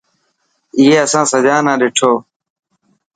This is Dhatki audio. اي اسان سجا نا ڏٺو.